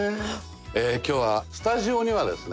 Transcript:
今日はスタジオにはですね